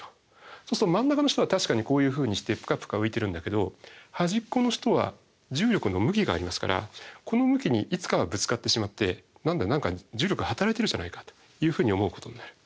そうすると真ん中の人は確かにこういうふうにしてプカプカ浮いてるんだけど端っこの人は重力の向きがありますからこの向きにいつかはぶつかってしまって何だ何か重力働いてるじゃないかというふうに思うことになる。